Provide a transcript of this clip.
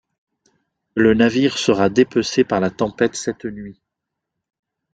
Le navire sera dépecé par la tempête cette nuit.